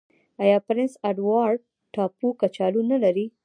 آیا پرنس اډوارډ ټاپو کچالو نلري؟